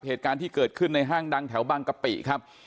เหตุการณ์ที่เกิดขึ้นในห้างดังแถวบางกะปิครับ